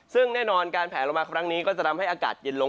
ซึ่งแน่นอนการแผลลงมาครั้งนี้ก็จะทำให้อากาศเย็นลง